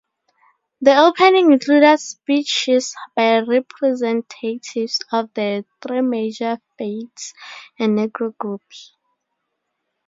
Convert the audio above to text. The opening included speeches by "representatives of the three major faiths and Negro groups".